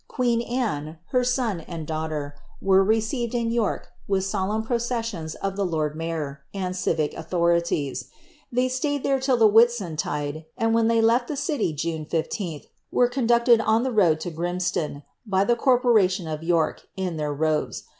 Qaeen Anne, her son, and daughter, were received in York with solemn processions of the lord Mayor, and civic authorities. They flayed there during the Whitsuntide, and when they left the city June 15th, were conducted on the road to Grimston, hy the corporation of Tork, in their robes.